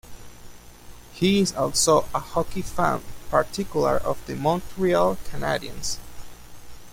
He is also a hockey fan, particularly of the Montreal Canadiens.